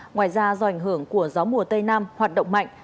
ngoài ra do ảnh hưởng của gió mùa tây nam hoạt động mạnh